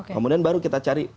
kemudian baru kita cari